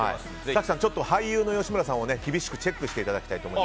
早紀さん、俳優の吉村さんを厳しくチェックしていただきたい